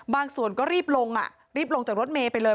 บางส่วนก็รีบลงอ่ะรีบลงจากรถเมย์ไปเลย